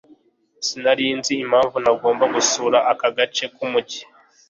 sinari nzi impamvu ntagomba gusura ako gace k'umujyi